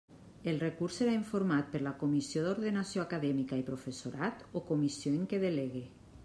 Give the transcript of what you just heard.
El recurs serà informat per la Comissió d'Ordenació Acadèmica i Professorat, o comissió en què delegue.